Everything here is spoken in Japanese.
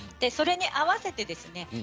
それに合わせてですね